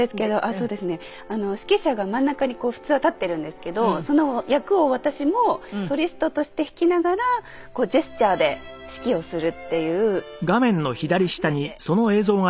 指揮者が真ん中に普通は立ってるんですけどその役を私もソリストとして弾きながらジェスチャーで指揮をするっていうのを初めてやらせていただきました。